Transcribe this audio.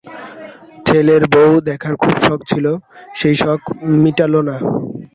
ছেলের বৌ দেখার খুব শখ ছিল, সেই শখ মিটাল না।